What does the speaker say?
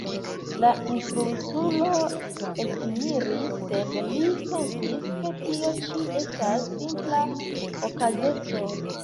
La instruitulo ekmiris, sed li pensis, ke tio ĉi estas simpla okazeco.